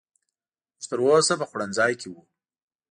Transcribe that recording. موږ تر اوسه په خوړنځای کې وو.